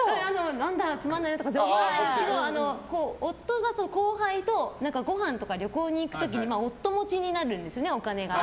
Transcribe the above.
何だ、つまんないなとかじゃないですけど夫が後輩とごはんとか旅行に行く時に夫持ちになるんですよね、お金が。